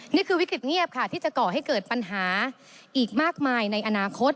นี่คือวิกฤตเงียบค่ะที่จะก่อให้เกิดปัญหาอีกมากมายในอนาคต